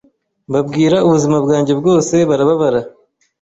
mbabwira ubuzima bwanjye bwose barababara